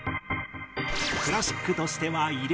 クラシックとしては異例！